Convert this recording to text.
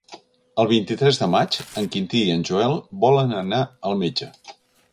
El vint-i-tres de maig en Quintí i en Joel volen anar al metge.